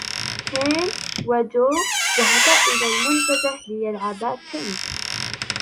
كين و جو ذهبا إلى المنتزه ليلعبا التنس.